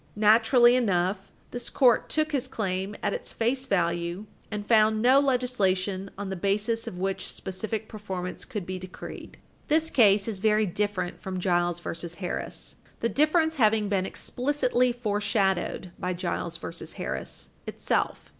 Naturally enough, this Court took his claim at its face value and found no legislation on the basis of which specific performance could be decreed. [Footnote 3] This case is very different from Giles v. Harris the difference having been explicitly foreshadowed by Giles v. Harris itself.